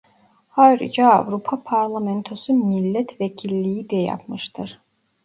Ayrıca Avrupa Parlamentosu milletvekilliği de yapmıştır.